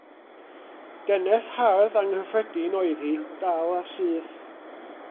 Geneth hardd anghyffredin oedd hi, dal a syth.